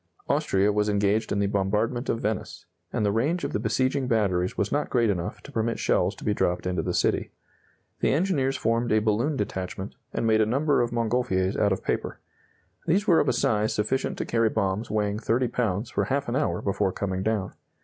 Austria was engaged in the bombardment of Venice, and the range of the besieging batteries was not great enough to permit shells to be dropped into the city. The engineers formed a balloon detachment, and made a number of Montgolfiers out of paper. These were of a size sufficient to carry bombs weighing 30 pounds for half an hour before coming down.